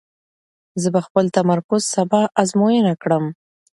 زه به خپل تمرکز سبا ازموینه کړم.